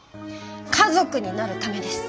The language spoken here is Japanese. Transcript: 家族になるためです。